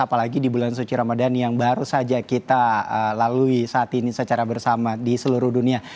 apalagi di bulan suci ramadan yang baru saja kita lalui saat ini secara bersama di seluruh dunia